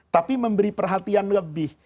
tapi memberi perhatian lebih